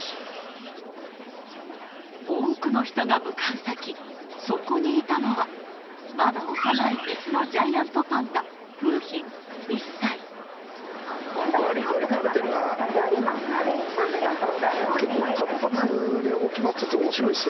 多くの人が向かう先、そこにいたのは、まだ幼い雌のジャイアントパンダ、ばりばり食べてるな。